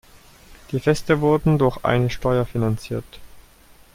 Die Feste wurden durch eine Steuer finanziert.